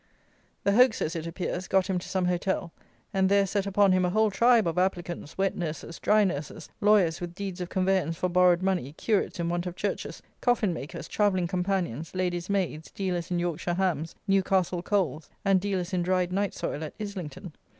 The hoaxers, it appears, got him to some hotel, and there set upon him a whole tribe of applicants, wet nurses, dry nurses, lawyers with deeds of conveyance for borrowed money, curates in want of churches, coffin makers, travelling companions, ladies' maids, dealers in Yorkshire hams, Newcastle coals, and dealers in dried night soil at Islington.